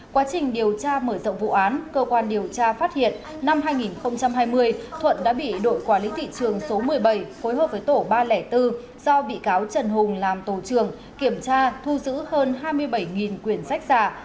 quá trình điều tra mở rộng vụ án cơ quan điều tra phát hiện năm hai nghìn hai mươi thuận đã bị đội quản lý thị trường số một mươi bảy phối hợp với tổ ba trăm linh bốn do bị cáo trần hùng làm tổ trường kiểm tra thu giữ hơn hai mươi bảy quyền sách giả